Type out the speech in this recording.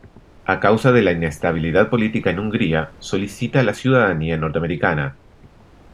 A causa de la inestabilidad política en Hungría solicita la ciudadanía norteamericana.